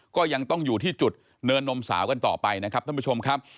ก็ยังต้องอยู่ที่จุดเนินนมสาวกันต่อไปนะครับท่านผู้ชมครับ